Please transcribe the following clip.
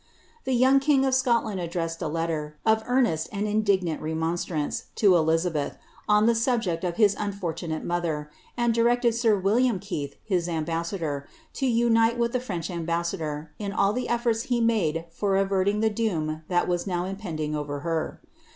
The young king of Scotland addressed a letter, of earnest and indig nant remonstrance, to Elizabeth, on the subject of his unfortunate mother, and directed sir AVilliam Keith, his ambassador, to unite with the French ambassador in all the eflbrts he made for averting the doom that was now impending over her.